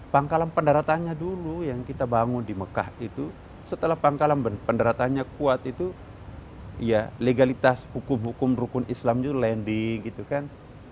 pangkalan pendaratannya dulu yang kita bangun di mekah itu setelah pangkalan pendaratannya kuat itu ya legalitas hukum hukum rukun islam itu landing gitu kan